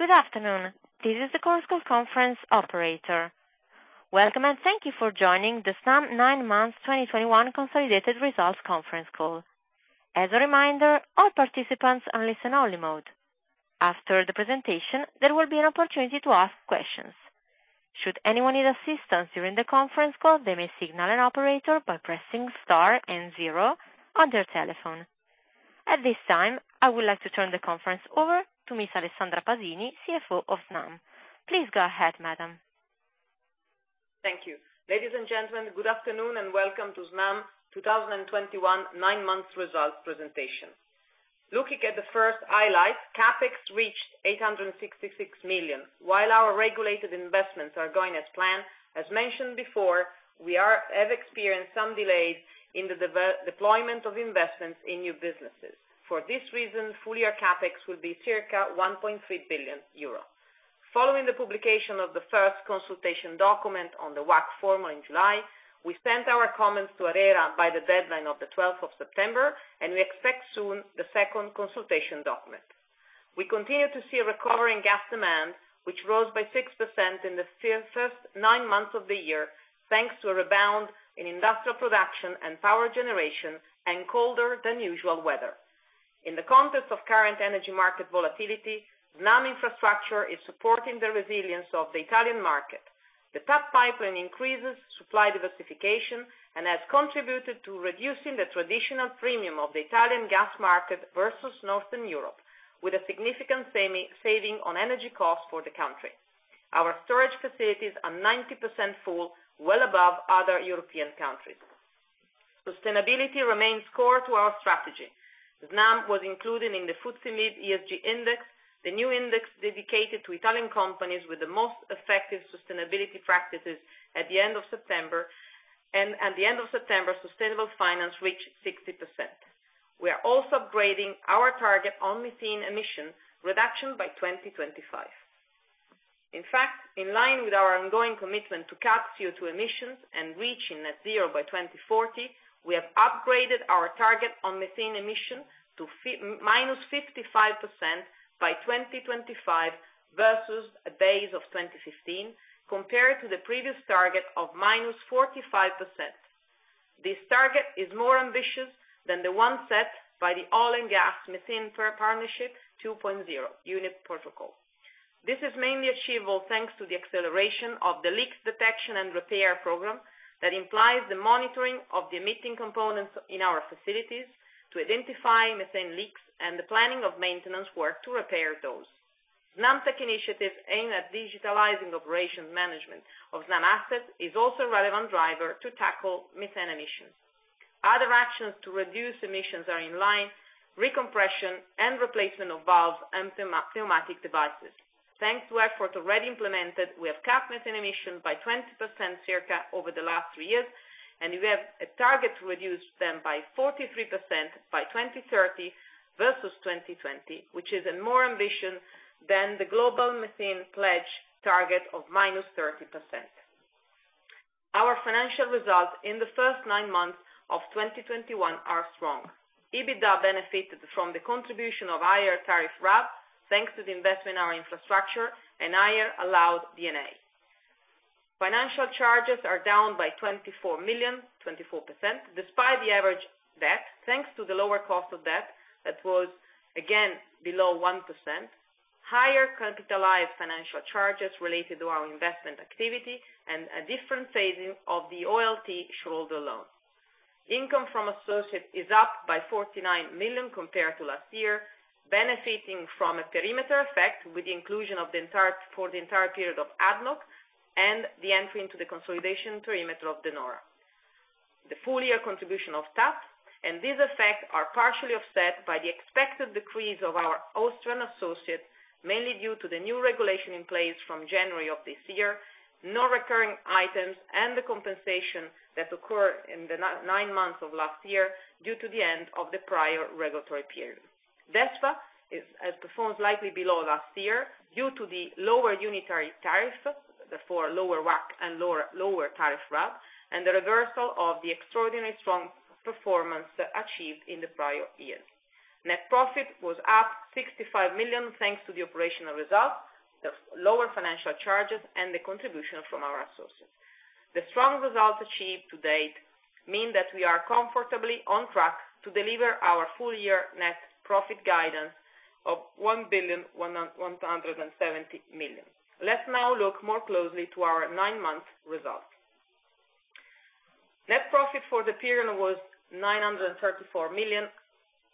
Good afternoon. This is the Chorus Call conference operator. Welcome and thank you for joining the Snam nine months 2021 consolidated results conference call. As a reminder, all participants are in listen-only mode. After the presentation, there will be an opportunity to ask questions. Should anyone need assistance during the conference call, they may signal an operator by pressing star and zero on their telephone. At this time, I would like to turn the conference over to Miss Alessandra Pasini, CFO of Snam. Please go ahead, madam. Thank you. Ladies and gentlemen, good afternoon and welcome to Snam 2021 nine months results presentation. Looking at the first highlight, CapEx reached 866 million. While our regulated investments are going as planned, as mentioned before, we have experienced some delays in the deployment of investments in new businesses. For this reason, full year CapEx will be circa 1.3 billion euro. Following the publication of the first consultation document on the WACC form in July, we sent our comments to ARERA by the deadline of September 12, and we expect soon the second consultation document. We continue to see a recovery in gas demand, which rose by 6% in the first nine months of the year, thanks to a rebound in industrial production and power generation and colder than usual weather. In the context of current energy market volatility, Snam infrastructure is supporting the resilience of the Italian market. The TAP pipeline increases supply diversification and has contributed to reducing the traditional premium of the Italian gas market versus Northern Europe, with a significant saving on energy costs for the country. Our storage facilities are 90% full, well above other European countries. Sustainability remains core to our strategy. Snam was included in the FTSE MIB ESG index, the new index dedicated to Italian companies with the most effective sustainability practices at the end of September. At the end of September, sustainable finance reached 60%. We are also upgrading our target on methane emission reduction by 2025. In fact, in line with our ongoing commitment to cut CO2 emissions and reaching net zero by 2040, we have upgraded our target on methane emission to minus 55% by 2025 versus a base of 2015, compared to the previous target of minus 45%. This target is more ambitious than the one set by the Oil and Gas Methane Partnership 2.0 initiative protocol. This is mainly achievable thanks to the acceleration of the leak detection and repair program that implies the monitoring of the emitting components in our facilities to identify methane leaks and the planning of maintenance work to repair those. SnamTEC initiatives aimed at digitalizing operations management of Snam assets is also a relevant driver to tackle methane emissions. Other actions to reduce emissions are in line, recompression and replacement of valves and pneumatic devices. Thanks to efforts already implemented, we have cut methane emissions by 20% circa over the last three years, and we have a target to reduce them by 43% by 2030 versus 2020, which is more ambitious than the Global Methane Pledge target of -30%. Our financial results in the first nine months of 2021 are strong. EBITDA benefited from the contribution of higher tariff RAB, thanks to the investment in our infrastructure and higher allowed D&A. Financial charges are down by 24 million, 24%, despite higher average debt, thanks to the lower cost of debt that was again below 1%, higher capitalized financial charges related to our investment activity and a different phasing of the OLT shareholder loan. Income from associate is up by 49 million compared to last year, benefiting from a perimeter effect with the inclusion of the entire period of ADNOC and the entry into the consolidation perimeter of De Nora. The full year contribution of TAP and these effects are partially offset by the expected decrease of our Austrian associates, mainly due to the new regulation in place from January of this year, non-recurring items and the compensation that occurred in the nine months of last year due to the end of the prior regulatory period. DESFA has performed slightly below last year due to the lower unitary tariff, therefore lower WACC and lower tariff RAB, and the reversal of the extraordinary strong performance achieved in the prior years. Net profit was up 65 million, thanks to the operational results, the lower financial charges and the contribution from our associates. The strong results achieved to date mean that we are comfortably on track to deliver our full year net profit guidance of 1.17 billion. Let's now look more closely to our nine-month results. Net profit for the period was 934 million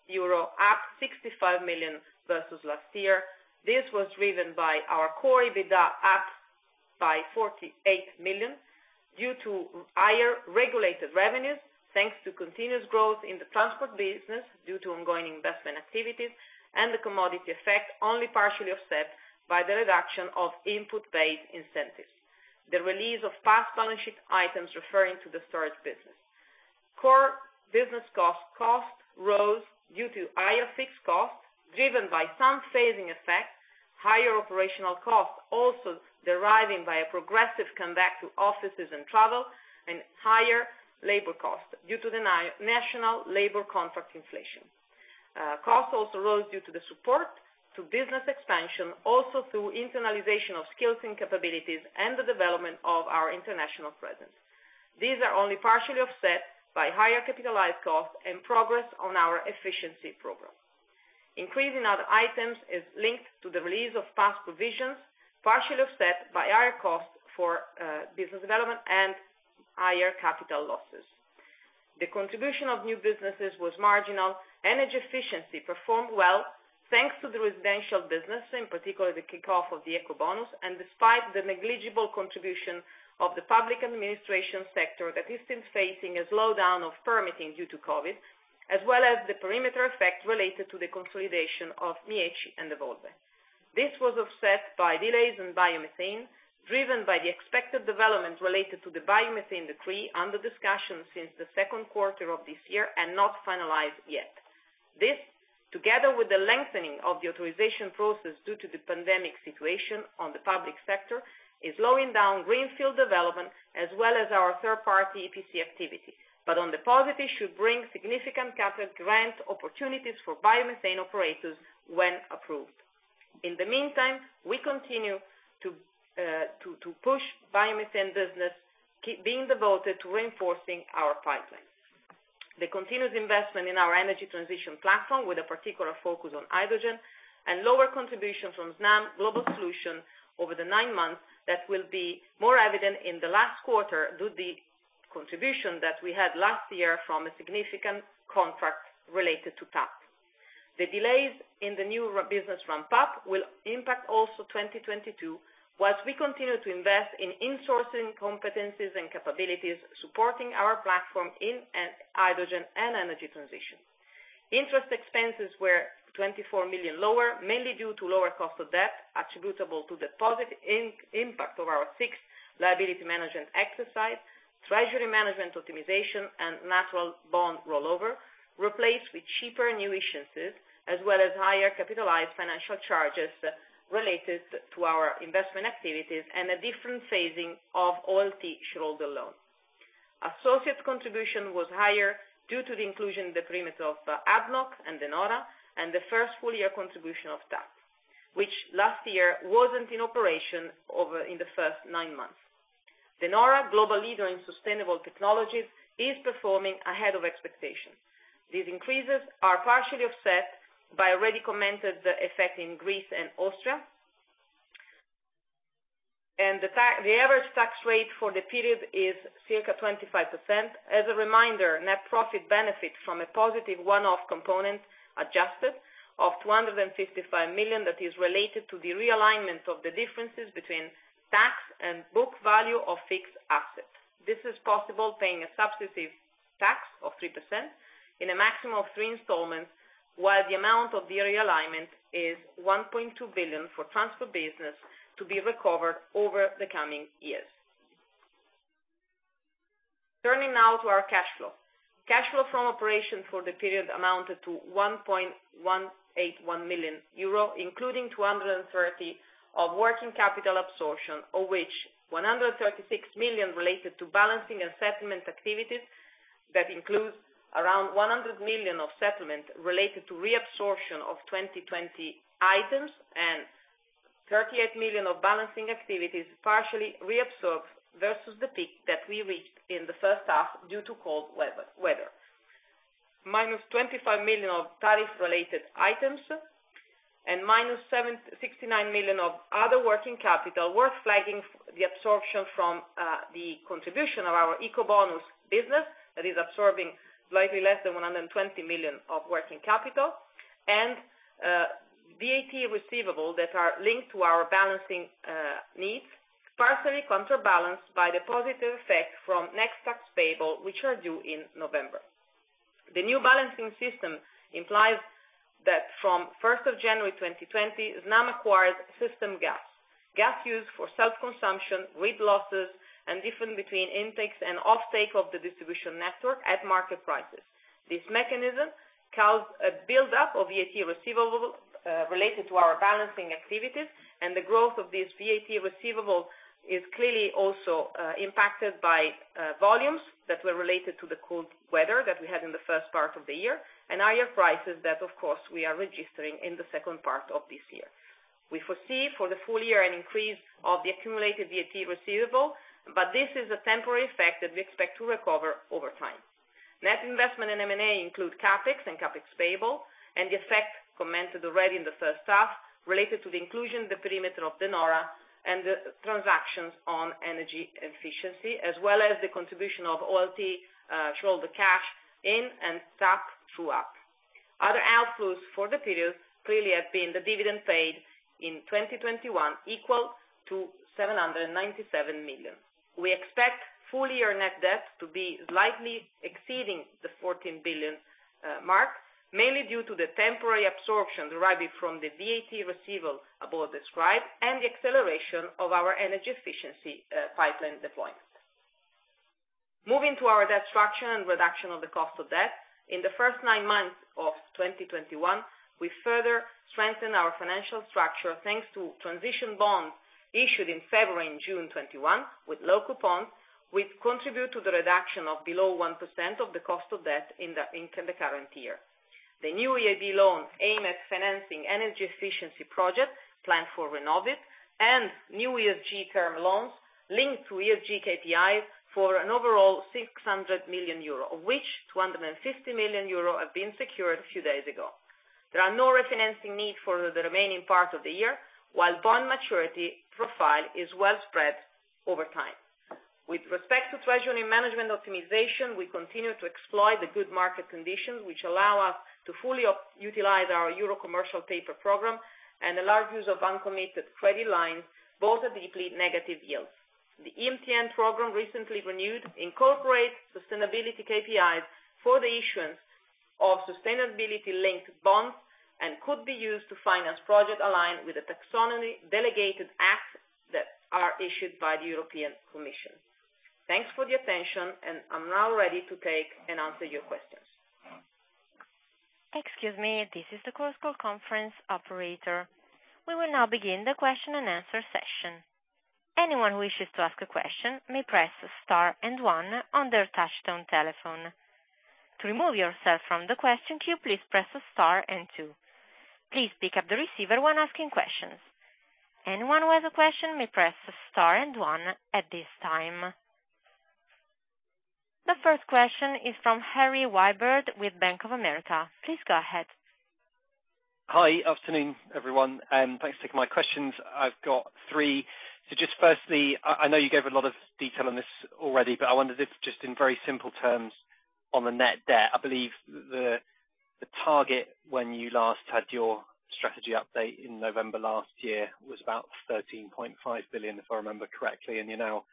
euro, up 65 million versus last year. This was driven by our core EBITDA, up by 48 million due to higher regulated revenues, thanks to continuous growth in the transport business due to ongoing investment activities and the commodity effect, only partially offset by the reduction of input-based incentives. The release of past balance sheet items referring to the storage business. Core business costs rose due to higher fixed costs, driven by some phasing effects, higher operational costs also deriving from a progressive comeback to offices and travel, and higher labor costs due to the national labor contract inflation. Costs also rose due to the support to business expansion, also through internalization of skills and capabilities and the development of our international presence. These are only partially offset by higher capitalized costs and progress on our efficiency program. Increase in other items is linked to the release of past provisions, partially offset by higher costs for business development and higher capital losses. The contribution of new businesses was marginal. Energy efficiency performed well thanks to the residential business, in particular, the kickoff of the Ecobonus, and despite the negligible contribution of the public administration sector that has been facing a slowdown of permitting due to COVID, as well as the perimeter effect related to the consolidation of Mieci and Evolve. This was offset by delays in biomethane, driven by the expected development related to the Biomethane Decree under discussion since the second quarter of this year and not finalized yet. This, together with the lengthening of the authorization process due to the pandemic situation on the public sector, is slowing down greenfield development as well as our third party EPC activity, but on the positive should bring significant capital grant opportunities for biomethane operators when approved. In the meantime, we continue to push biomethane business, being devoted to reinforcing our pipeline. The continuous investment in our energy transition platform, with a particular focus on hydrogen and lower contribution from Snam Global Solutions over the nine months, that will be more evident in the last quarter due to the contribution that we had last year from a significant contract related to TAP. The delays in the new RAB business ramp-up will impact also 2022, while we continue to invest in insourcing competencies and capabilities, supporting our platform in hydrogen and energy transition. Interest expenses were 24 million lower, mainly due to lower cost of debt attributable to the positive impact of our sixth liability management exercise, treasury management optimization, and natural bond rollover, replaced with cheaper new issuances, as well as higher capitalized financial charges related to our investment activities and a different phasing of OLT shareholder loan. Associates contribution was higher due to the inclusion in the perimeter of ADNOC and De Nora, and the first full year contribution of TAP, which last year wasn't in operation in the first nine months. De Nora, global leader in sustainable technologies, is performing ahead of expectations. These increases are partially offset by the already commented effect in Greece and Austria. The average tax rate for the period is circa 25%. As a reminder, net profit benefits from a positive one-off component of 255 million that is related to the realignment of the differences between tax and book value of fixed assets. This is possible paying a substitute tax of 3% in a maximum of three installments, while the amount of the realignment is 1.2 billion for the transferred business to be recovered over the coming years. Turning now to our cash flow. Cash flow from operations for the period amounted to 1,181 million euro, including 230 million of working capital absorption, of which 136 million related to balancing and settlement activities that includes around 100 million of settlement related to reabsorption of 2020 items and 38 million of balancing activities partially reabsorbed versus the peak that we reached in the first half due to cold weather. Minus 25 million of tariff related items, and minus 769 million of other working capital, worth flagging the absorption from the contribution of our Ecobonus business that is absorbing slightly less than 120 million of working capital and VAT receivable that are linked to our balancing needs, partially counterbalanced by the positive effect from net tax payable, which are due in November. The new balancing system implies that from January 1, 2020, Snam acquires system gas used for self-consumption with losses and difference between intakes and offtake of the distribution network at market prices. This mechanism caused a buildup of VAT receivable, related to our balancing activities, and the growth of this VAT receivable is clearly also, impacted by, volumes that were related to the cold weather that we had in the first part of the year, and higher prices that, of course, we are registering in the second part of this year. We foresee for the full year an increase of the accumulated VAT receivable, but this is a temporary effect that we expect to recover over time. Net investment in M&A include CapEx and CapEx payable, and the effect commented already in the first half related to the inclusion, the perimeter of De Nora and the transactions on energy efficiency, as well as the contribution of OLT, shareholder cash in and TAP true-up. Other outflows for the period clearly have been the dividend paid in 2021 equal to 797 million. We expect full year net debt to be slightly exceeding the 14 billion mark, mainly due to the temporary absorption deriving from the VAT receivable above described and the acceleration of our energy efficiency pipeline deployment. Moving to our debt structure and reduction of the cost of debt. In the first 9 months of 2021, we further strengthened our financial structure, thanks to transition bonds issued in February and June 2021 with low coupon, which contribute to the reduction of below 1% of the cost of debt in the current year. The new EIB loans aim at financing energy efficiency projects planned for Renovit and new ESG term loans linked to ESG KPI for an overall 600 million euro, of which 250 million euro have been secured a few days ago. There are no refinancing needs for the remaining part of the year, while bond maturity profile is well spread over time. With respect to treasury management optimization, we continue to exploit the good market conditions, which allow us to fully utilize our euro commercial paper program and the large use of uncommitted credit lines, both at deeply negative yields. The EMTN program, recently renewed, incorporates sustainability KPIs for the issuance of sustainability-linked bonds and could be used to finance projects aligned with the Taxonomy Delegated Acts that are issued by the European Commission. Thanks for the attention, and I'm now ready to take and answer your questions. Excuse me. This is the Chorus Call conference operator. We will now begin the question-and-answer session. Anyone who wishes to ask a question may press Star and One on their touchtone telephone. To remove yourself from the question queue, please press Star and Two. Please pick up the receiver when asking questions. Anyone who has a question may press Star and One at this time. The first question is from Harry Wyburd with Bank of America. Please go ahead. Hi. Afternoon, everyone, and thanks for taking my questions. I've got three. Just firstly, I know you gave a lot of detail on this already, but I wondered if, just in very simple terms on the net debt, I believe the target when you last had your strategy update in November last year was about 13.5 billion, if I remember correctly, and you're now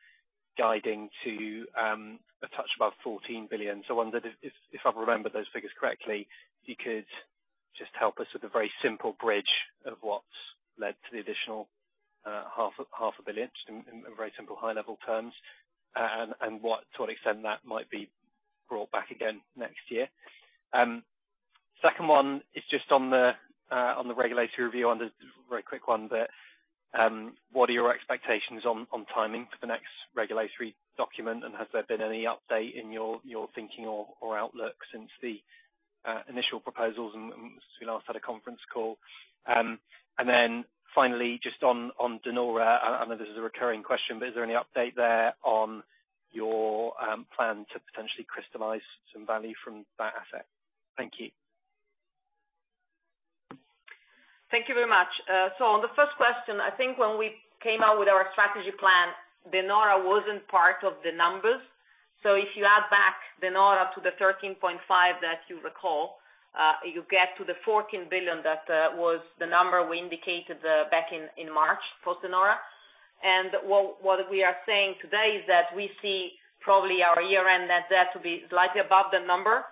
guiding to a touch above 14 billion. I wondered if I remember those figures correctly, you could just help us with a very simple bridge of what's led to the additional half a billion EUR, just in very simple high-level terms, and to what extent that might be brought back again next year. Second one is just on the regulatory review, very quick one, but what are your expectations on timing for the next regulatory document? And has there been any update in your thinking or outlook since the initial proposals and since we last had a conference call? And then finally, just on De Nora, I know this is a recurring question, but is there any update there on your plan to potentially crystallize some value from that asset? Thank you. Thank you very much. On the first question, I think when we came out with our strategy plan, De Nora wasn't part of the numbers. If you add back De Nora to the 13.5 billion that you recall, you get to the 14 billion that was the number we indicated back in March for De Nora. What we are saying today is that we see probably our year-end net debt to be slightly above the number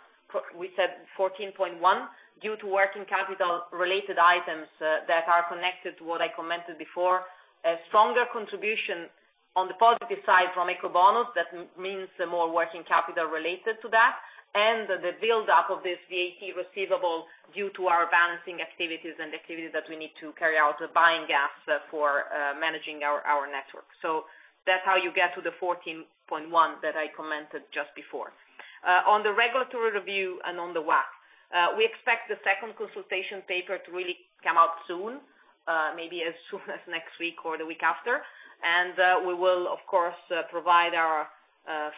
we said, 14.1 billion, due to working capital related items that are connected to what I commented before. A stronger contribution on the positive side from Ecobonus, that means more working capital related to that, and the buildup of this VAT receivable due to our balancing activities and activities that we need to carry out buying gas for managing our network. That's how you get to the 14.1 that I commented just before. On the regulatory review and on the WACC, we expect the second consultation paper to really come out soon, maybe as soon as next week or the week after. We will of course provide our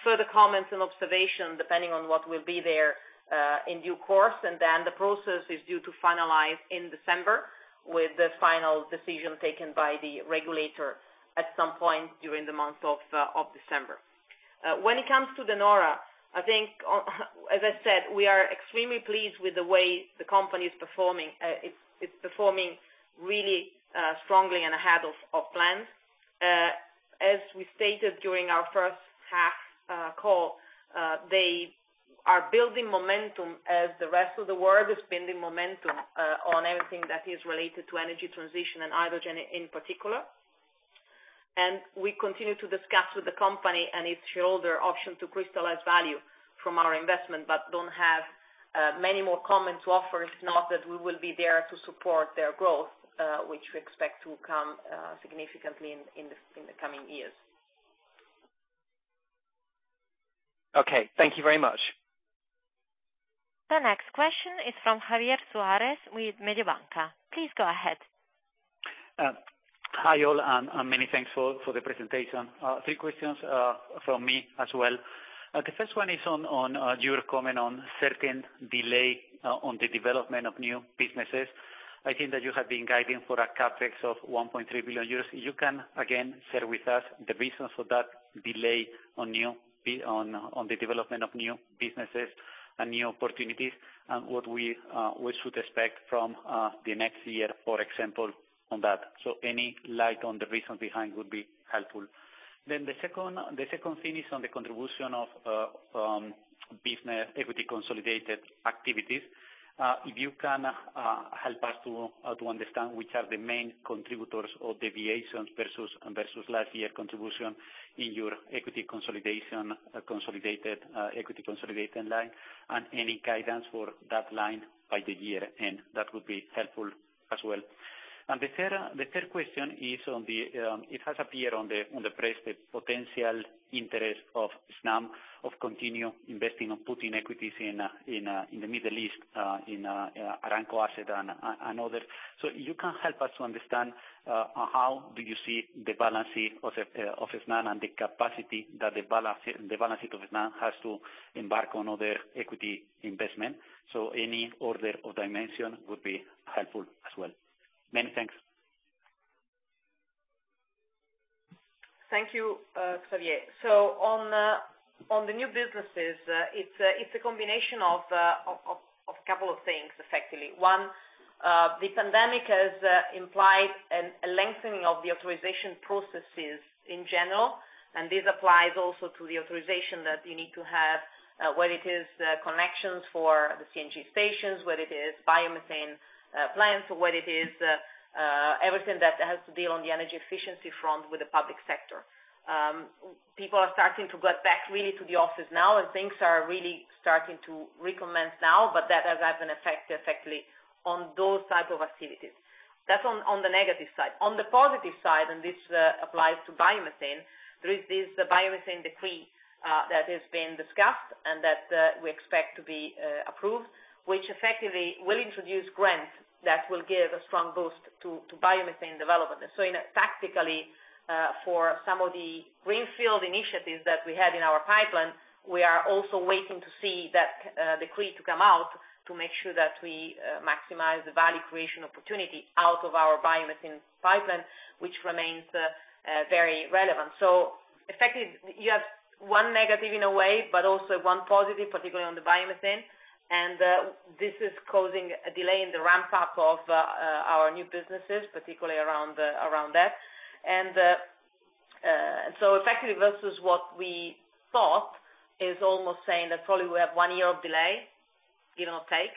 further comments and observation depending on what will be there in due course. The process is due to finalize in December with the final decision taken by the regulator at some point during the month of December. When it comes to De Nora, I think, as I said, we are extremely pleased with the way the company is performing. It's performing really strongly and ahead of plans. As we stated during our first half call, they are building momentum as the rest of the world is building momentum on everything that is related to energy transition and hydrogen in particular. We continue to discuss with the company and its shareholder option to crystallize value from our investment, but don't have many more comments to offer, if not that we will be there to support their growth, which we expect to come significantly in the coming years. Okay. Thank you very much. The next question is from Javier Suárez with Mediobanca. Please go ahead. Hi, all, and many thanks for the presentation. Three questions from me as well. The first one is on your comment on certain delay on the development of new businesses. I think that you have been guiding for a CapEx of 1.3 billion euros. You can again share with us the reasons for that delay on the development of new businesses and new opportunities and what we should expect from the next year, for example, on that. Any light on the reasons behind would be helpful. The second thing is on the contribution of business equity consolidated activities. If you can help us to understand which are the main contributors or deviations versus last year contribution in your equity consolidation, consolidated equity line and any guidance for that line by the year end, that would be helpful as well. The third question is on the, it has appeared on the press, the potential interest of Snam to continue investing in putting equities in the Middle East, in Aramco asset and other. You can help us to understand how do you see the balance sheet of Snam and the capacity that the balance sheet of Snam has to embark on other equity investment. Any order of magnitude would be helpful as well. Many thanks. Thank you, Javier. On the new businesses, it's a combination of a couple of things effectively. One, the pandemic has implied a lengthening of the authorization processes in general, and this applies also to the authorization that you need to have, whether it is the connections for the CNG stations, whether it is biomethane plants, or whether it is everything that has to deal on the energy efficiency front with the public sector. People are starting to get back really to the office now, and things are really starting to recommence now, but that has had an effect effectively on those type of activities. That's on the negative side. On the positive side, and this applies to biomethane, there is this Biomethane Decree that has been discussed and that we expect to be approved, which effectively will introduce grants that will give a strong boost to biomethane development. Tactically, for some of the greenfield initiatives that we had in our pipeline, we are also waiting to see that decree to come out to make sure that we maximize the value creation opportunity out of our biomethane pipeline, which remains very relevant. Effectively, you have one negative in a way, but also one positive, particularly on the biomethane. This is causing a delay in the ramp-up of our new businesses, particularly around that. Effectively versus what we thought is almost saying that probably we have one year of delay, give or take,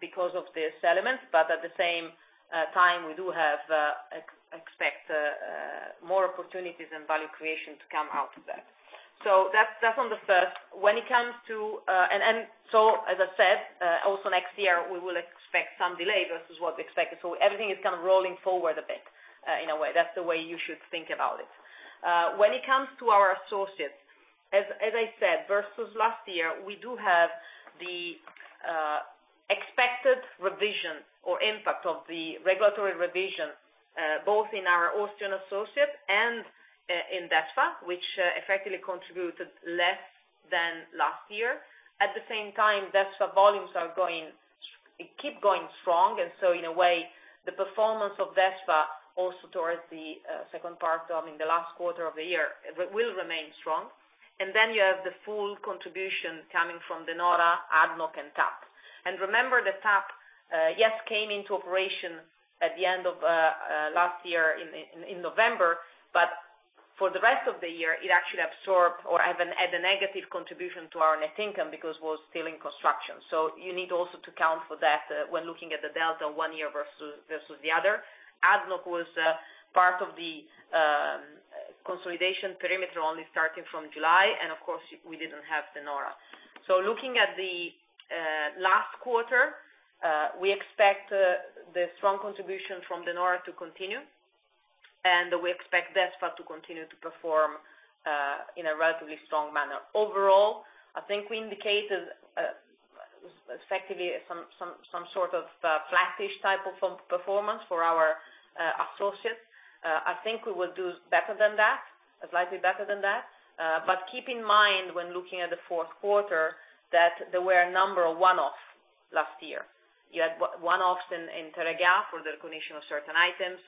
because of this element. At the same time, we do have more opportunities and value creation to come out of that. That's on the first. When it comes to— as I said, also next year, we will expect some delay versus what's expected. Everything is kind of rolling forward a bit in a way. That's the way you should think about it. When it comes to our associates, as I said, versus last year, we do have the expected revision or impact of the regulatory revision both in our Austrian associate and in DESFA, which effectively contributed less than last year. At the same time, DESFA volumes keep going strong. In a way, the performance of DESFA also towards the second part or I mean the last quarter of the year will remain strong. Then you have the full contribution coming from De Nora, ADNOC and TAP. Remember that TAP came into operation at the end of last year in November, but for the rest of the year, it actually absorbed or had a negative contribution to our net income because it was still in construction. You need also to account for that when looking at the delta one year versus the other. ADNOC was part of the consolidation perimeter only starting from July, and of course, we didn't have De Nora. Looking at the last quarter, we expect the strong contribution from De Nora to continue, and we expect DESFA to continue to perform in a relatively strong manner. Overall, I think we indicated effectively some sort of flattish type of performance for our associates. I think we will do better than that, slightly better than that. Keep in mind when looking at the fourth quarter that there were a number of one-offs last year. You had one-offs in Teréga for the recognition of certain items.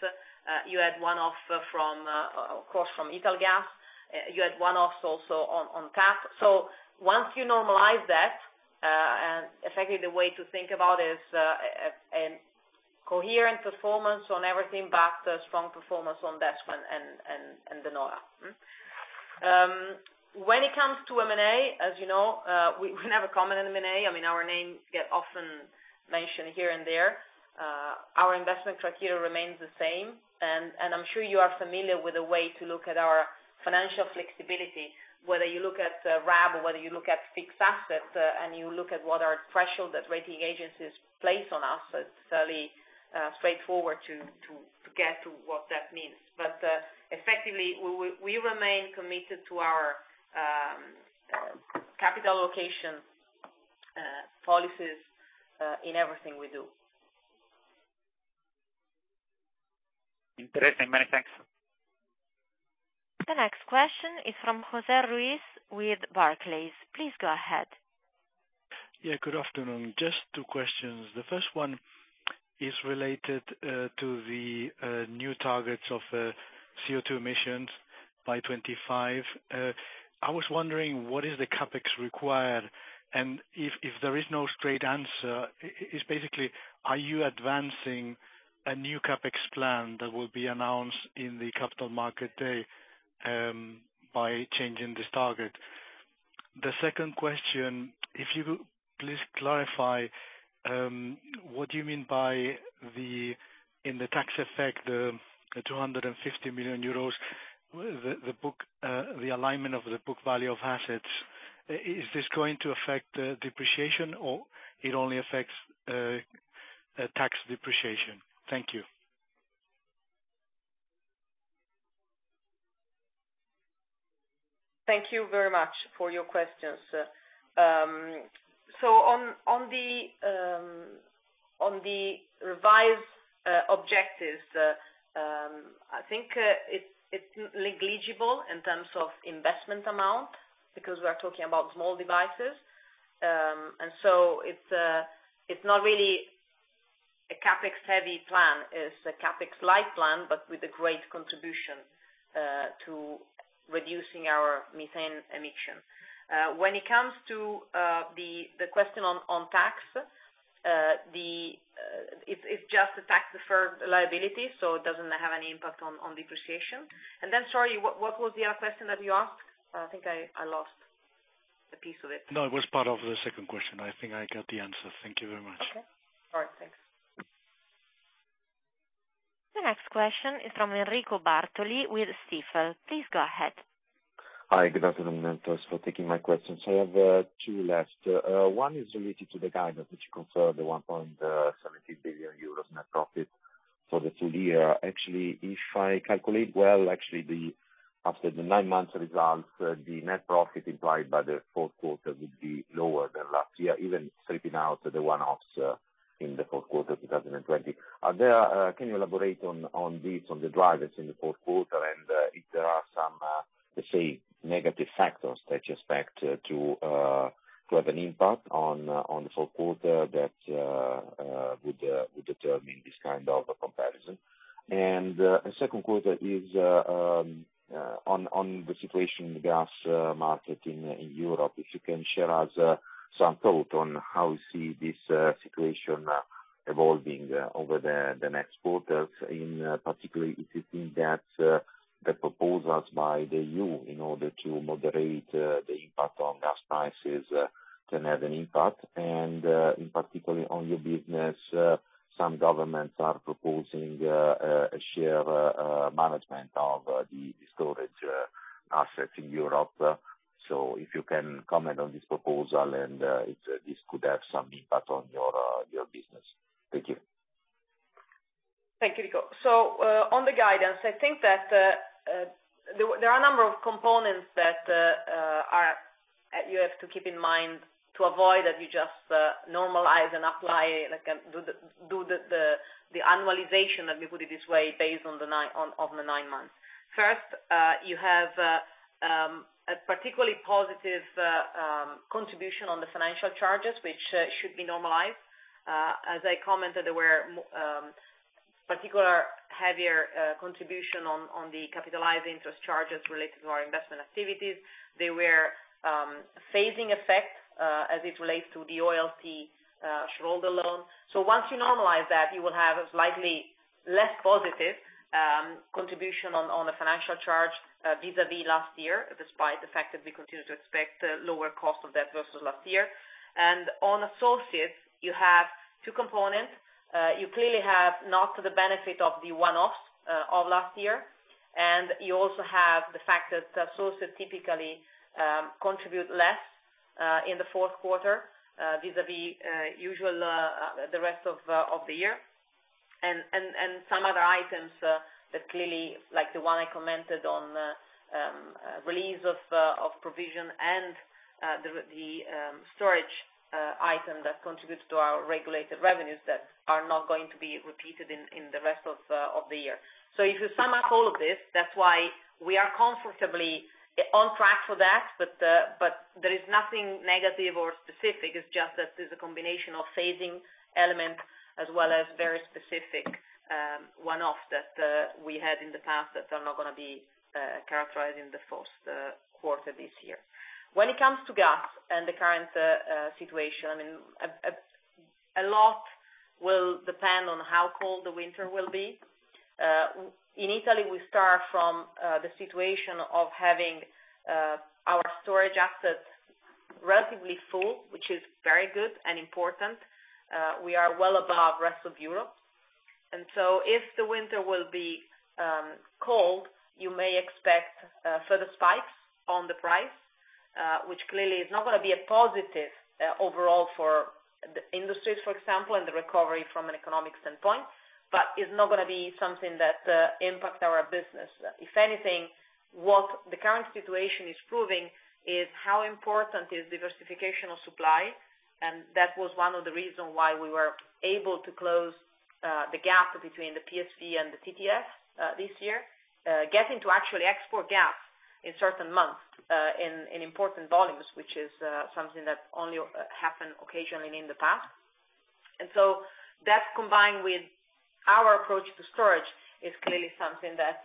You had one-off from, of course, from Italgas. You had one-offs also on TAP. Once you normalize that, and effectively the way to think about is a coherent performance on everything but a strong performance on DESFA and De Nora. When it comes to M&A, as you know, we never comment on M&A. I mean, our names get often mentioned here and there. Our investment criteria remains the same. I'm sure you are familiar with the way to look at our financial flexibility, whether you look at RAB or whether you look at fixed assets, and you look at what are thresholds that rating agencies place on us. It's fairly straightforward to get to what that means. Effectively, we remain committed to our capital allocation policies in everything we do. Interesting. Many thanks. The next question is from Jose Ruiz with Barclays. Please go ahead. Yeah. Good afternoon. Just two questions. The first one is related to the new targets of CO2 emissions by 2025. I was wondering, what is the CapEx required? And if there is no straight answer, is basically are you advancing a new CapEx plan that will be announced in the capital market day by changing this target? The second question, if you could please clarify, what do you mean by the, in the tax effect, the two hundred and fifty million euros, the book, the alignment of the book value of assets? Is this going to affect depreciation or it only affects tax depreciation? Thank you. Thank you very much for your questions. On the revised objectives, I think it's negligible in terms of investment amount because we are talking about small devices. It's not really a CapEx heavy plan. It's a CapEx light plan, but with a great contribution to reducing our methane emissions. When it comes to the question on tax, it's just a tax-deferred liability, so it doesn't have any impact on depreciation. Sorry, what was the other question that you asked? I think I lost a piece of it. No, it was part of the second question. I think I got the answer. Thank you very much. Okay. All right, thanks. The next question is from Enrico Bartoli with Stifel. Please go ahead. Hi. Good afternoon, for taking my questions. I have two left. One is related to the guidance, which confirmed the 1.70 billion euros net profit for the full year. Actually, if I calculate well, after the nine months results, the net profit implied by the fourth quarter would be lower than last year, even stripping out the one-offs in the fourth quarter of 2020. Can you elaborate on this, on the drivers in the fourth quarter and if there are some, let's say, negative factors that you expect to have an impact on the fourth quarter that would determine this kind of a comparison? A second question is on the gas market situation in Europe. If you can share with us some thought on how you see this situation evolving over the next quarters, in particular if you think that the proposals by the EU in order to moderate the impact on gas prices can have an impact, in particular on your business. Some governments are proposing a shared management of the storage assets in Europe. If you can comment on this proposal and if this could have some impact on your business. Thank you. Thank you, Enrico. On the guidance, I think that there are a number of components that you have to keep in mind to avoid that you just normalize and apply, like, do the annualization, let me put it this way, based on the nine months. First, you have a particularly positive contribution on the financial charges, which should be normalized. As I commented, there were particularly heavier contribution on capitalizing those charges related to our investment activities. There were phasing effects as it relates to the OLT shareholder loan. Once you normalize that, you will have a slightly less positive contribution on the financial charge vis-a-vis last year, despite the fact that we continue to expect a lower cost of debt versus last year. On associates, you have two components. You clearly have not the benefit of the one-offs of last year. You also have the fact that associates typically contribute less in the fourth quarter vis-a-vis usual the rest of the year. Some other items that clearly, like the one I commented on, release of provision and the storage item that contributes to our regulated revenues that are not going to be repeated in the rest of the year. If you sum up all of this, that's why we are comfortably on track for that. There is nothing negative or specific. It's just that there's a combination of phasing elements as well as very specific one-off that we had in the past that are not gonna be characterized in the first quarter this year. When it comes to gas and the current situation, a lot will depend on how cold the winter will be. In Italy, we start from the situation of having our storage assets relatively full, which is very good and important. We are well above rest of Europe. If the winter will be cold, you may expect further spikes on the price, which clearly is not gonna be a positive overall for the industries, for example, and the recovery from an economic standpoint. It's not gonna be something that impact our business. If anything, what the current situation is proving is how important is diversification of supply, and that was one of the reason why we were able to close the gap between the PSV and the TTF this year. Getting to actually export gas in certain months in important volumes, which is something that only happened occasionally in the past. That combined with our approach to storage is clearly something that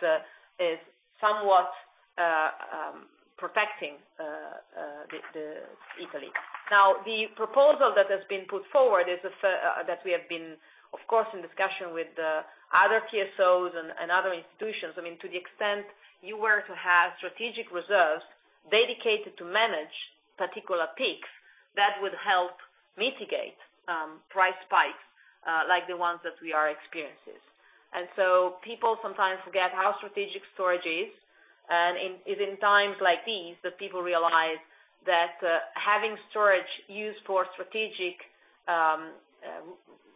is somewhat protecting Italy. Now, the proposal that has been put forward is that we have been, of course, in discussion with the other TSOs and other institutions. I mean, to the extent you were to have strategic reserves dedicated to manage particular peaks, that would help mitigate price spikes like the ones that we are experiencing. People sometimes forget how strategic storage is, it's in times like these that people realize that having storage used for strategic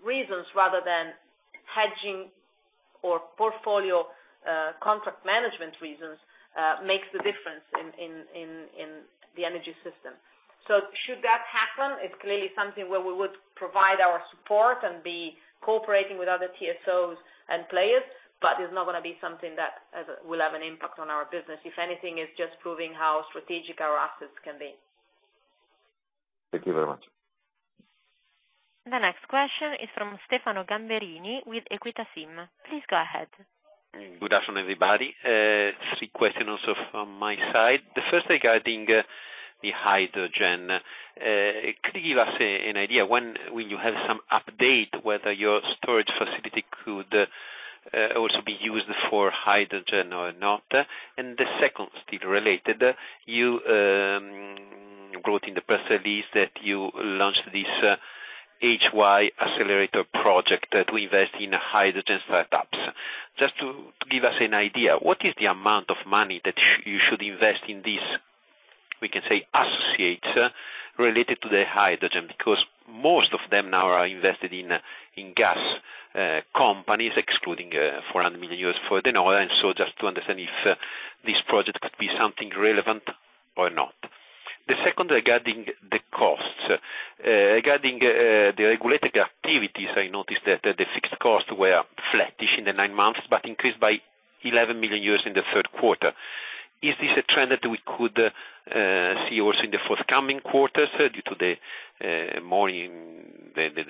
reasons rather than hedging or portfolio contract management reasons makes the difference in the energy system. Should that happen, it's clearly something where we would provide our support and be cooperating with other TSOs and players, but it's not gonna be something that will have an impact on our business. If anything, it's just proving how strategic our assets can be. Thank you very much. The next question is from Stefano Gamberini with Equita SIM. Please go ahead. Good afternoon, everybody. Three questions also from my side. The first regarding the hydrogen. Could you give us an idea when will you have some update whether your storage facility could also be used for hydrogen or not? The second still related, you wrote in the press release that you launched this HyAccelerator project to invest in hydrogen startups. Just to give us an idea, what is the amount of money that you should invest in this, we can say associate related to the hydrogen? Because most of them now are invested in gas companies, excluding 400 million euros for and so just to understand if this project could be something relevant or not. The second regarding the costs. Regarding the regulated activities, I noticed that the fixed costs were flattish in the nine months, but increased by 11 million euros in the third quarter. Is this a trend that we could see also in the forthcoming quarters due to the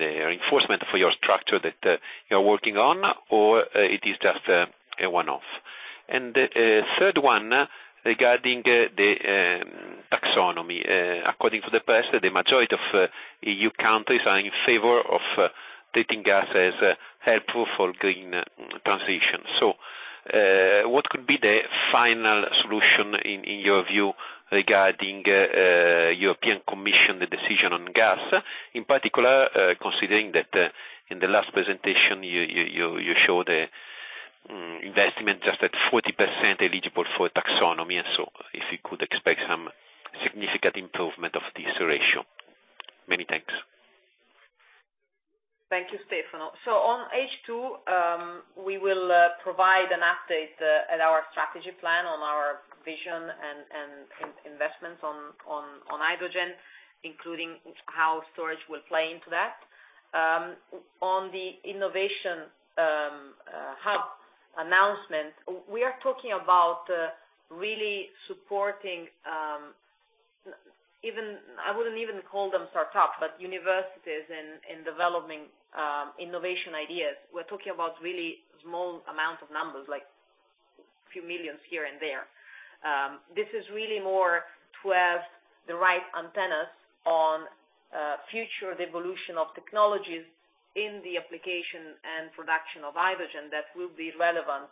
reinforcement for your structure that you are working on, or it is just a one-off? Third one regarding the taxonomy. According to the press, the majority of EU countries are in favor of treating gas as helpful for green transition. What could be the final solution in your view regarding European Commission, the decision on gas, in particular, considering that in the last presentation, you showed investment just at 40% eligible for Taxonomy, and so if we could expect some significant improvement of this ratio? Many thanks. Thank you, Stefano. On H2, we will provide an update at our strategy plan on our vision and investments on hydrogen, including how storage will play into that. On the innovation hub announcement, we are talking about really supporting even. I wouldn't even call them startup, but universities in developing innovation ideas. We're talking about really small amount of numbers, like few millions here and there. This is really more to have the right antennas on future evolution of technologies in the application and production of hydrogen that will be relevant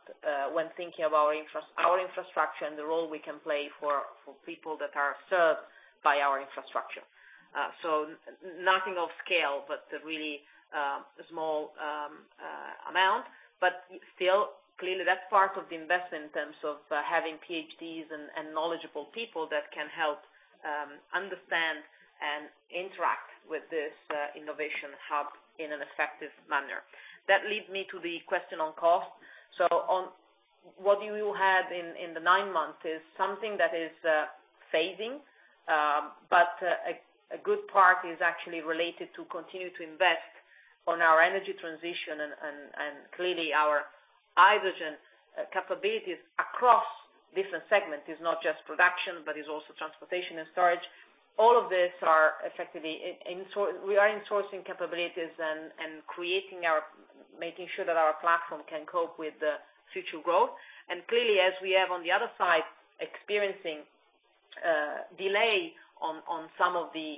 when thinking of our infrastructure and the role we can play for people that are served by our infrastructure. Nothing of scale, but really small amount, but still clearly that's part of the investment in terms of having PhDs and knowledgeable people that can help understand and interact with this innovation hub in an effective manner. That leads me to the question on cost. On what you have in the nine months is something that is phasing, but a good part is actually related to continue to invest on our energy transition and clearly our hydrogen capabilities across different segments is not just production, but is also transportation and storage. All of this are effectively in-sourcing capabilities and creating our making sure that our platform can cope with the future growth. Clearly, as we have on the other side experiencing delay on some of the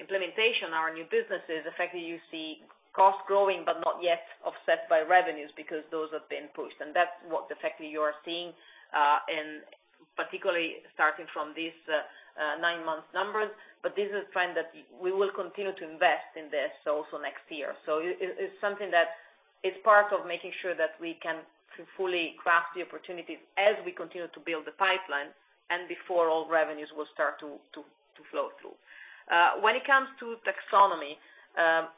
implementation of our new businesses, effectively you see costs growing but not yet offset by revenues because those have been pushed. That's what effectively you are seeing in particular starting from these nine-month numbers. This is a trend that we will continue to invest in this also next year. It is something that is part of making sure that we can fully grasp the opportunities as we continue to build the pipeline and before all revenues will start to flow through. When it comes to Taxonomy,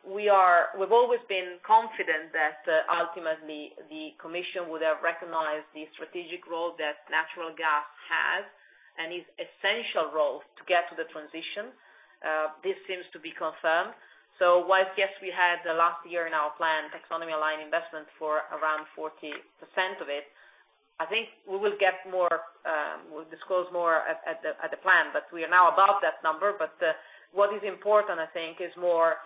we've always been confident that ultimately the commission would have recognized the strategic role that natural gas has and its essential role to get to the transition. This seems to be confirmed. While, yes, we had the last year in our plan taxonomy aligned investment for around 40% of it, I think we will get more. We'll disclose more at the plan, but we are now above that number. What is important, I think, is more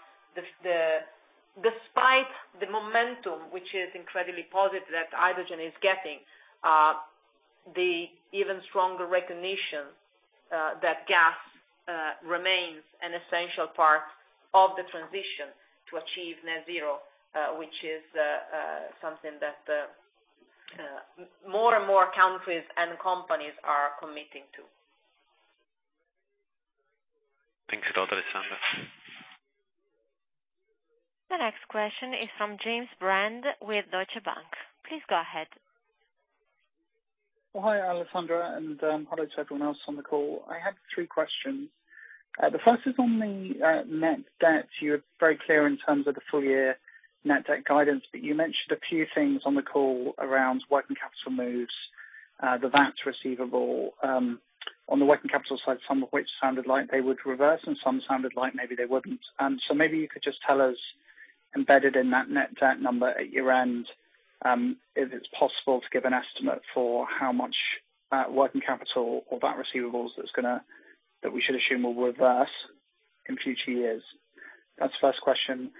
despite the momentum, which is incredibly positive, that hydrogen is getting, the even stronger recognition that gas remains an essential part of the transition to achieve net zero, which is something that more and more countries and companies are committing to. The next question is from James Brand with Deutsche Bank. Please go ahead. Oh, hi, Alessandra, and hello to everyone else on the call. I had three questions. The first is on the net debt. You're very clear in terms of the full year net debt guidance, but you mentioned a few things on the call around working capital moves, the VAT receivable, on the working capital side, some of which sounded like they would reverse and some sounded like maybe they wouldn't. Maybe you could just tell us embedded in that net debt number at year-end if it's possible to give an estimate for how much working capital or VAT receivables that we should assume will reverse in future years. That's the first question.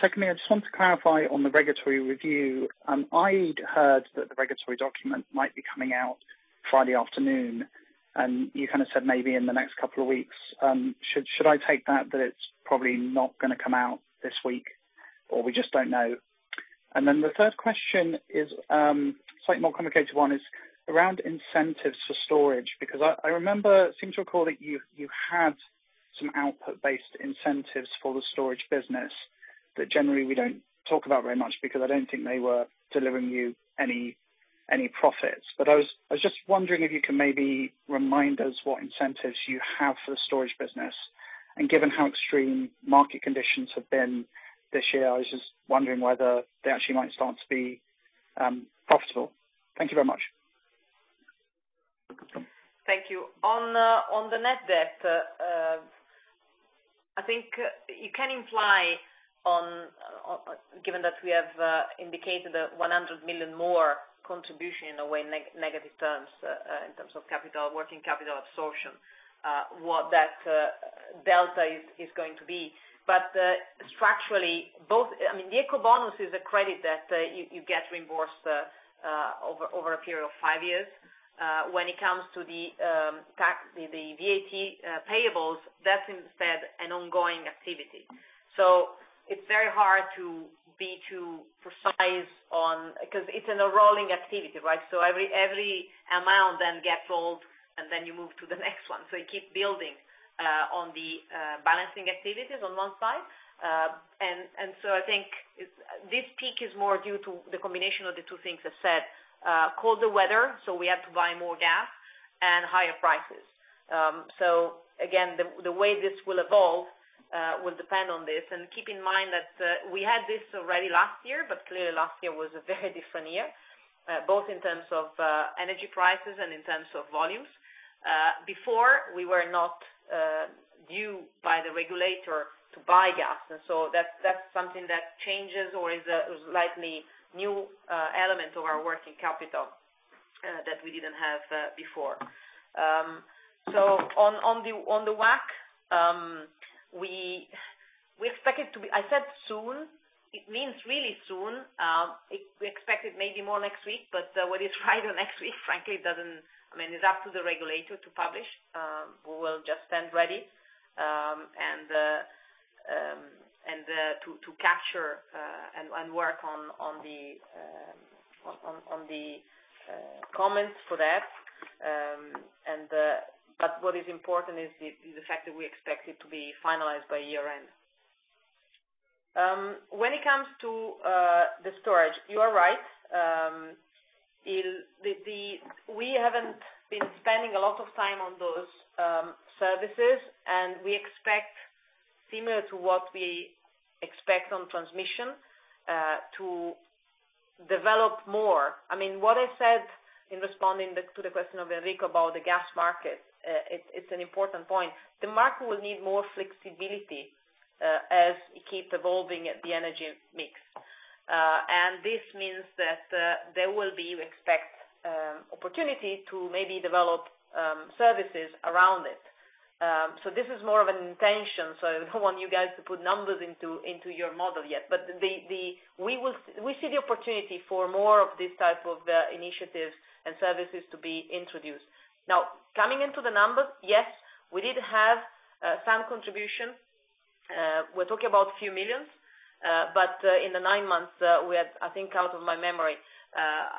Secondly, I just want to clarify on the regulatory review. I'd heard that the regulatory document might be coming out Friday afternoon, and you kinda said maybe in the next couple of weeks. Should I take that it's probably not gonna come out this week, or we just don't know? And then the third question is slightly more complicated one, is around incentives for storage. Because I remember, seem to recall that you had some output-based incentives for the storage business that generally we don't talk about very much because I don't think they were delivering you any profits. But I was just wondering if you can maybe remind us what incentives you have for the storage business. Given how extreme market conditions have been this year, I was just wondering whether they actually might start to be profitable. Thank you very much. Thank you. On the net debt, I think you can infer from, given that we have indicated that 100 million more contribution in a way in negative terms, in terms of capital, working capital absorption, what that delta is going to be. Structurally, I mean, the Ecobonus is a credit that you get reimbursed over a period of five years. When it comes to the tax, the VAT payables, that's instead an ongoing activity. It's very hard to be too precise on 'cause it's in a rolling activity, right? Every amount then gets old, and then you move to the next one. You keep building on the balancing activities on one side. I think this peak is more due to the combination of the two things I said, colder weather, so we have to buy more gas and higher prices. Again, the way this will evolve will depend on this. Keep in mind that we had this already last year, but clearly last year was a very different year, both in terms of energy prices and in terms of volumes. Before we were not due by the regulator to buy gas, and that's something that changes or is a slightly new element of our working capital that we didn't have before. On the WACC, we expect it to be soon. I said soon, it means really soon. We expect it maybe more next week, but what is right or next week, frankly, it doesn't. I mean, it's up to the regulator to publish. We will just stand ready to capture and work on the comments for that. What is important is the fact that we expect it to be finalized by year-end. When it comes to the storage, you are right. We haven't been spending a lot of time on those services, and we expect similar to what we expect on transmission to develop more. I mean, what I said in responding to the question of Enrico about the gas market, it's an important point. The market will need more flexibility, as it keeps evolving in the energy mix. This means that there will be, we expect, opportunity to maybe develop services around it. This is more of an intention, so I don't want you guys to put numbers into your model yet. We see the opportunity for more of these type of initiatives and services to be introduced. Now, coming into the numbers, yes, we did have some contribution. We're talking about a few million euro. In the nine months, we had, I think out of my memory,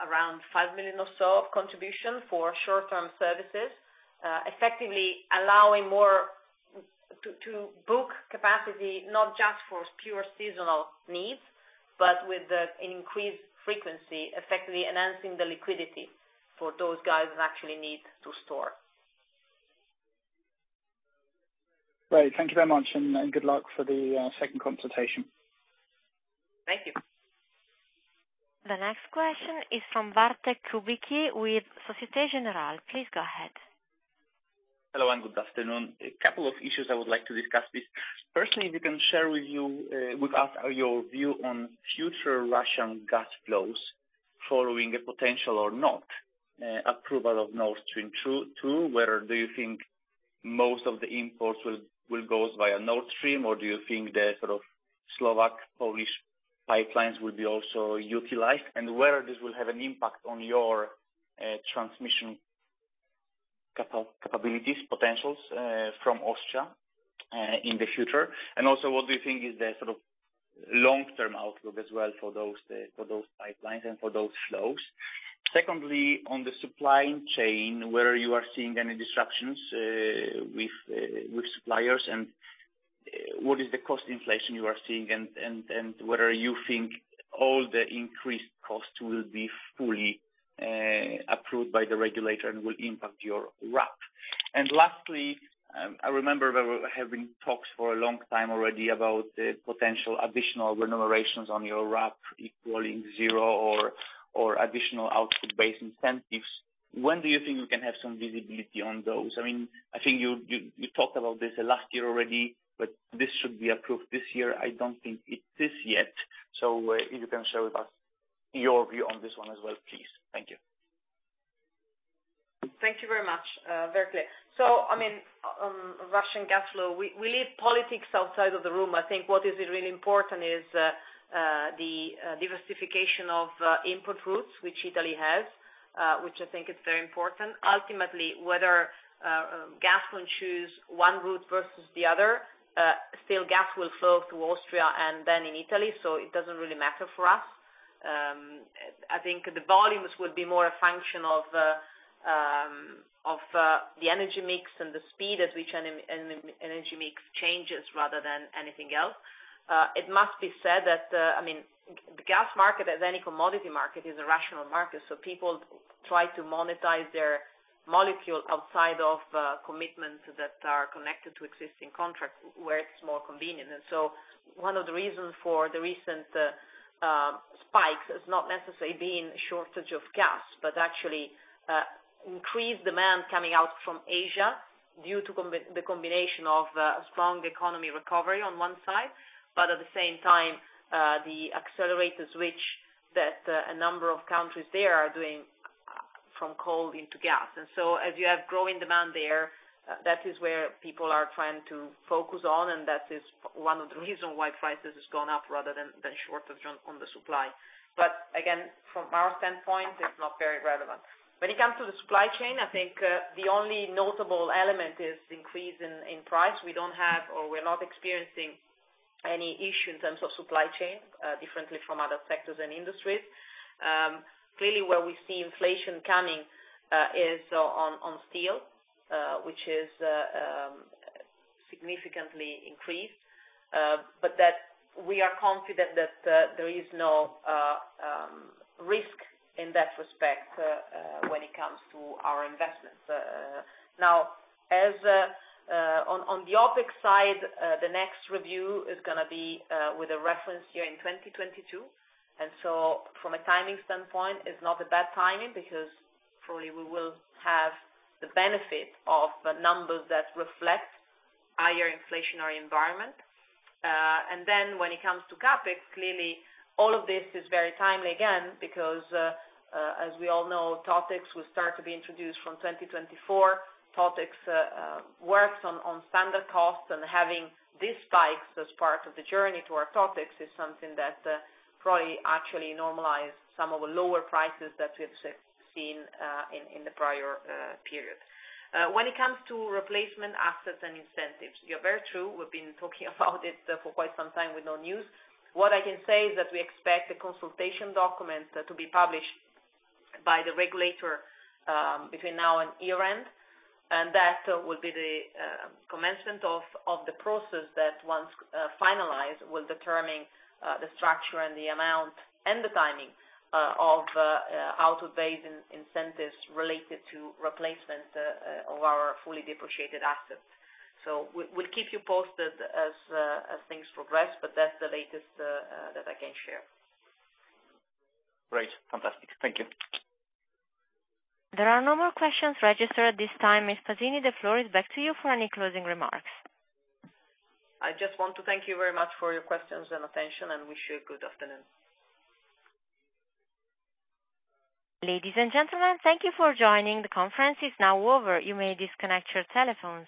around 5 million or so of contribution for short-term services, effectively allowing more to book capacity, not just for pure seasonal needs, but with the increased frequency, effectively enhancing the liquidity for those guys who actually need to store. Great. Thank you very much, and good luck for the second consultation. Thank you. The next question is from Bartlomiej Kubicki with Société Générale. Please go ahead. Hello, good afternoon. A couple of issues I would like to discuss with. Firstly, if you can share with us your view on future Russian gas flows following a potential or not approval of Nord Stream 2. Whether do you think most of the imports will go via Nord Stream, or do you think the sort of Slovak-Polish pipelines will be also utilized? Whether this will have an impact on your transmission capabilities, potentials from Austria in the future. What do you think is the sort of long-term outlook as well for those pipelines and for those flows? Second, on the supply chain, are you seeing any disruptions with suppliers and what is the cost inflation you are seeing and whether you think all the increased costs will be fully approved by the regulator and will impact your RAB. Last, I remember there have been talks for a long time already about the potential additional remunerations on your RAB equal to zero or additional output-based incentives. When do you think you can have some visibility on those? I mean, I think you talked about this last year already, but this should be approved this year. I don't think it is yet. If you can share with us your view on this one as well, please. Thank you. Thank you very much. Very clear. I mean, Russian gas flow, we leave politics outside of the room. I think what is really important is the diversification of input routes, which Italy has, which I think is very important. Ultimately, whether gas will choose one route versus the other, still gas will flow to Austria and then in Italy, so it doesn't really matter for us. I think the volumes will be more a function of the energy mix and the speed at which energy mix changes rather than anything else. It must be said that, I mean, the gas market as any commodity market is a rational market, so people try to monetize their molecule outside of commitments that are connected to existing contracts where it's more convenient. One of the reasons for the recent spikes has not necessarily been shortage of gas, but actually increased demand coming out from Asia due to the combination of a strong economy recovery on one side, but at the same time the accelerated switch that a number of countries there are doing from coal into gas. As you have growing demand there, that is where people are trying to focus on, and that is one of the reason why prices has gone up rather than shortage on the supply. Again, from our standpoint, it's not very relevant. When it comes to the supply chain, I think the only notable element is increase in price. We don't have or we're not experiencing any issue in terms of supply chain, differently from other sectors and industries. Clearly, where we see inflation coming is on steel, which is significantly increased, but that we are confident that there is no risk in that respect when it comes to our investments. Now, on the OpEx side, the next review is gonna be with a reference year in 2022. From a timing standpoint, it's not a bad timing because hopefully we will have the benefit of numbers that reflect higher inflationary environment. When it comes to CapEx, clearly, all of this is very timely again because, as we all know, TotEx will start to be introduced from 2024. The work on standard costs and having these spikes as part of the journey to our TotEx is something that probably actually normalize some of the lower prices that we have seen in the prior period. When it comes to replacement assets and incentives, you're right. We've been talking about it for quite some time with no news. What I can say is that we expect the consultation document to be published by the regulator between now and year-end, and that will be the commencement of the process that once finalized will determine the structure and the amount and the timing of output-based incentives related to replacement of our fully depreciated assets. We'll keep you posted as things progress, but that's the latest that I can share. Great. Fantastic. Thank you. There are no more questions registered at this time. Ms. Pasini, the floor is back to you for any closing remarks. I just want to thank you very much for your questions and attention and wish you a good afternoon. Ladies and gentlemen, thank you for joining. The conference is now over. You may disconnect your telephones.